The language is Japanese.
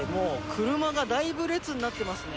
車がだいぶ列になってますね。